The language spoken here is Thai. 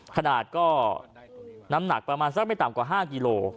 ขนาดก็น้ำหนักประมาณสักไม่ต่ำกว่า๕กิโล